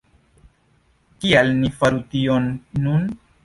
Kial ni faru tion nun?